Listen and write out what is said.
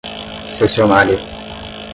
cessionária